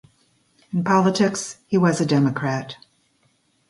In politics he was a democrat.